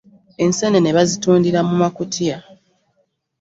Ensenene bazitundira mu makutiya.